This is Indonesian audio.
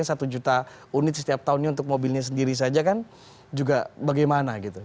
satu juta unit setiap tahunnya untuk mobilnya sendiri saja kan juga bagaimana gitu